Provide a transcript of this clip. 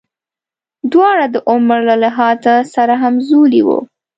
دواړه د عمر له لحاظه سره همزولي وو.